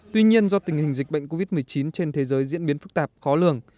tuy nhiên do tình hình dịch bệnh covid một mươi chín trên thế giới diễn biến phức tạp khó lường